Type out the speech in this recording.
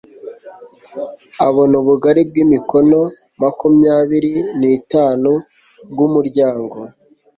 abona ubugari bw imikono makumyabiri n itanu bw umuryango